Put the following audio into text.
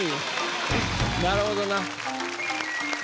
なるほどな。